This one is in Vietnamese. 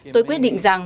tôi quyết định rằng